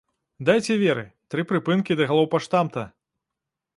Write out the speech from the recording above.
Дайце веры, тры прыпынкі да галоўпаштамта!